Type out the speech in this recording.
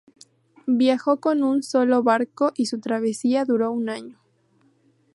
Viajó con un solo barco y su travesía duró un año.